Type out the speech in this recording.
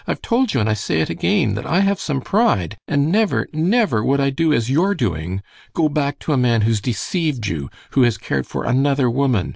I've told you, and I say it again, that I have some pride, and never, never would I do as you're doing—go back to a man who's deceived you, who has cared for another woman.